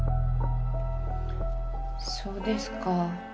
そうですか。